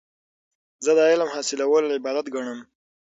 زه د علم حاصلول عبادت ګڼم.